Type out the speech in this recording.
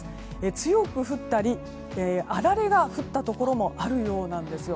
強く降ったりあられが降ったところもあるようです。